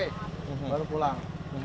sampai jam sebelas kita pulang